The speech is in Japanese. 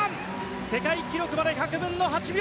世界記録まで１００分の８秒。